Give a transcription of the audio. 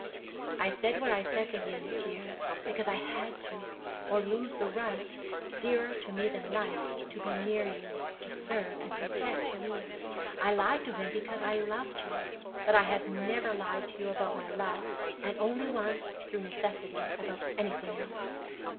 I said what I said to him, dear, because I had to—or lose the right, dearer to me than life, to be near you, to serve and protect you. I lied to him because I loved you. But I have never lied to you about my love—and only once, through necessity, about anything else.